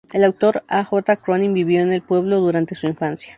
El autor A. J. Cronin vivió en el pueblo durante su infancia.